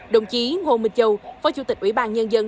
đồng chí ngô minh châu phó chủ tịch ủy ban nhân dân